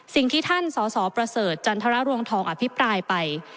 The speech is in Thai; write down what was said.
สิ่งที่ท่านสสประเสริฐจันทรรวงทองอภิปรายไป